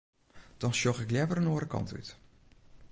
Dan sjoch ik leaver in oare kant út.